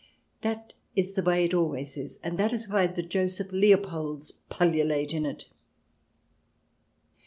That is the way it always is, and that is why the Joseph Leopolds pullulate in it.